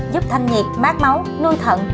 giúp thanh nhiệt mát máu nuôi thận